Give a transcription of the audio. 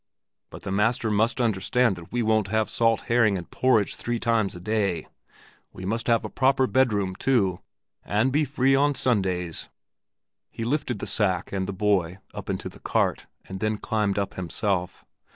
"But the master must understand that we won't have salt herring and porridge three times a day. We must have a proper bedroom too—and be free on Sundays." He lifted the sack and the boy up into the cart, and then climbed up himself.